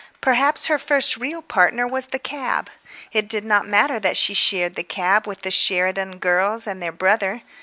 Perhaps her first real partner was the cab. It did not matter that she shared the cab with the Sheridan girls and their brother.